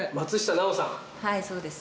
はいそうです。